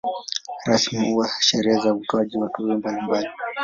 Rasmi huwa sherehe za utoaji wa tuzo mbalimbali.